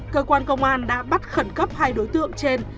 cơ quan công an đã bắt khẩn cấp hai đối tượng trên